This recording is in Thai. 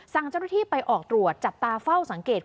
เจ้าหน้าที่ไปออกตรวจจับตาเฝ้าสังเกต